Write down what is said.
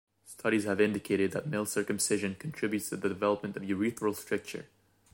Studies have indicated that male circumcision contributes to the development of urethral stricture.